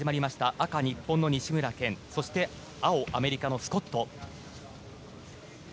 赤、日本の西村拳そして、青アメリカのスコット。